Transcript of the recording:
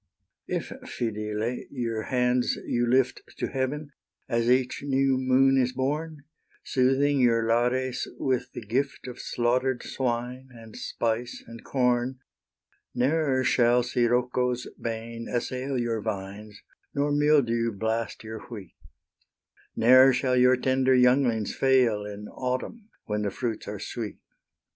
If, Phidyle, your hands you lift To heaven, as each new moon is born, Soothing your Lares with the gift Of slaughter'd swine, and spice, and corn, Ne'er shall Scirocco's bane assail Your vines, nor mildew blast your wheat, Ne'er shall your tender younglings fail In autumn, when the fruits are sweet.